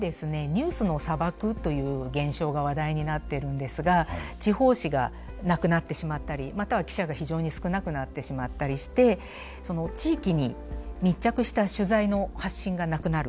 ニュースの砂漠という現象が話題になってるんですが地方紙がなくなってしまったりまたは記者が非常に少なくなってしまったりしてその地域に密着した取材の発信がなくなる。